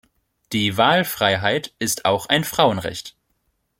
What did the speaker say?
Die Wahlfreiheit ist auch ein Frauenrecht.